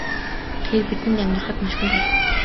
Тэгээд бидэнд амьдрахад маш хүнд болно.